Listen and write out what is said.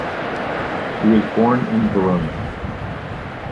He was born in Verona.